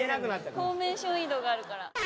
フォーメーション移動があるから。